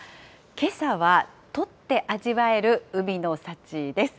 けさは、取って味わえる海の幸です。